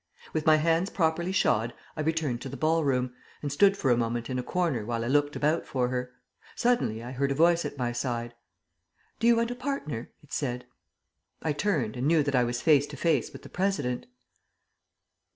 With my hands properly shod I returned to the ball room, and stood for a moment in a corner while I looked about for her. Suddenly I heard a voice at my side. "Do you want a partner?" it said. I turned, and knew that I was face to face with the President.